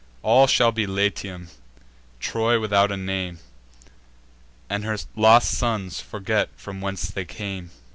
All shall be Latium; Troy without a name; And her lost sons forget from whence they came.